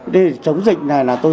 để chống dịch này là tôi